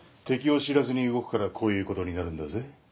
敵を知らずに動くからこういうことになるんだぜ。